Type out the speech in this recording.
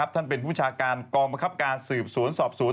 ท่านเป็นผู้ชาการกองบังคับการสืบสวนสอบสวน